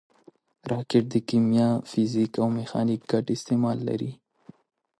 راکټ د کیمیا، فزیک او میخانیک ګډ استعمال لري